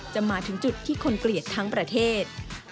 จะมาถึงจุดที่คนเกลียดทั้งประเทศ